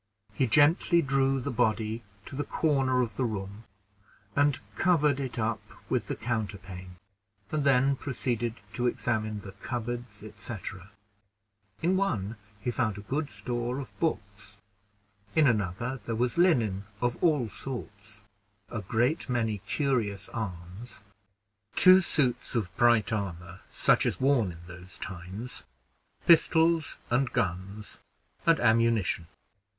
He gently drew the body to the corner of the room, and covered it up with the counterpane, and then proceeded to examine the cupboards, etc. In one he found a good store of books, in another there was linen of all sorts, a great many curious arms, two suits of bright armor such as was worn in those times, pistols, and guns, and ammunition.